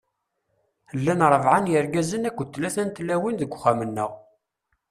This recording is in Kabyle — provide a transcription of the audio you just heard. Llan ṛebɛa n yirgazen akked tlata n tlawin deg uxxam-nteɣ.